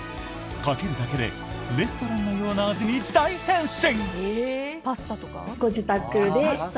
かけるだけでレストランのような味に大変身！